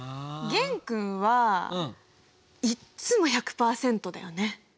玄君はいっつも１００％だよね。